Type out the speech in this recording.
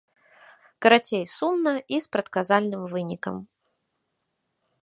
Карацей, сумна і з прадказальным вынікам.